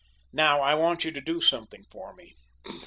Now, I want you to do something for me.